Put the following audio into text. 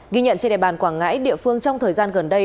ghi nhận trên địa bàn quảng ngãi địa phương trong thời gian gần đây